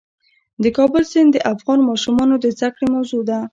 د کابل سیند د افغان ماشومانو د زده کړې موضوع ده.